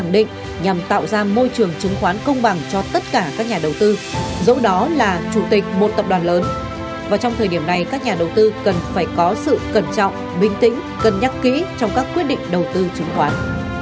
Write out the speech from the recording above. dẫu đó là chủ tịch một tập đoàn lớn và trong thời điểm này các nhà đầu tư cần phải có sự cẩn trọng bình tĩnh cân nhắc kỹ trong các quyết định đầu tư chứng khoán